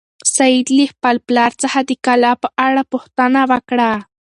سعید له خپل پلار څخه د کلا په اړه پوښتنه وکړه.